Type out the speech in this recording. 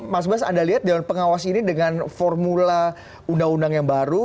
mas bas anda lihat dewan pengawas ini dengan formula undang undang yang baru